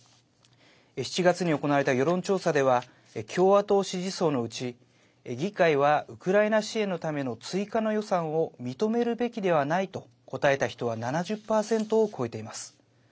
７月に行われた世論調査では共和党支持層のうち議会はウクライナ支援のための追加の予算を認めるべきではないと答えた人は７０％を超えています。